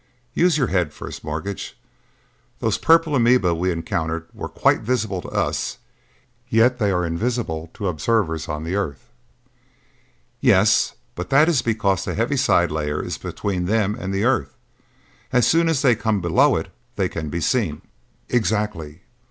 "Use your head, First Mortgage. Those purple amoeba we encountered were quite visible to us, yet they are invisible to observers on the earth." "Yes, but that is because the heaviside layer is between them and the earth. As soon as they come below it they can be seen." "Exactly.